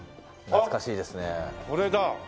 懐かしいですね。